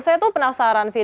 saya tuh penasaran sih